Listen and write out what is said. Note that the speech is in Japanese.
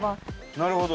なるほど。